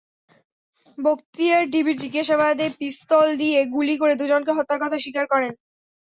বখতিয়ার ডিবির জিজ্ঞাসাবাদে পিস্তল দিয়ে গুলি করে দুজনকে হত্যার কথা স্বীকার করেন।